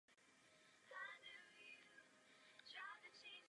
Válce z tohoto období měly dva vážné nedostatky.